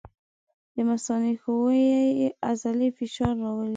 د مثانې ښویې عضلې فشار راولي.